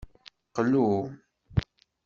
Qlu.